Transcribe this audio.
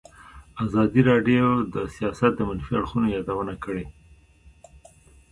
ازادي راډیو د سیاست د منفي اړخونو یادونه کړې.